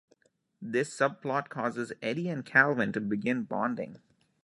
This subplot causes Eddie and Calvin to begin bonding.